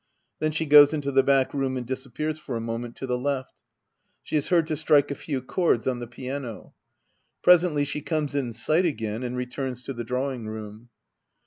Then she goes into the back room and disappears for a moment to the left. She is heard to strike a few chords on the piano. Pre sently she comes in sight again, and returns to the drawing room.